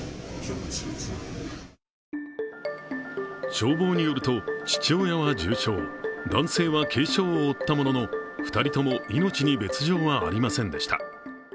消防によると、父親は重傷男性は軽傷を負ったものの２人とも命に別状はありませんでした。